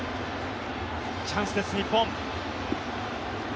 チャンスです、日本。